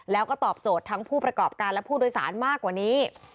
แล้วก็ตอบโจทย์ทั้งผู้ประกอบการและผู้โดยสารมากกว่านี้